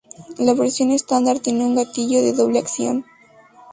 La versión estándar tiene un gatillo de doble acción.